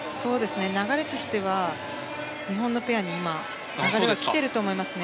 流れとしては日本のペアに今流れが来ていると思いますね。